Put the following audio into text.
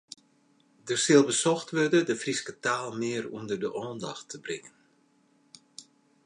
Der sil besocht wurde de Fryske taal mear ûnder de oandacht te bringen.